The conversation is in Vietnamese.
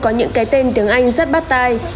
có những cái tên tiếng anh rất bắt tay